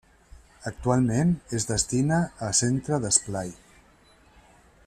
Actualment es destina a Centre d'esplai.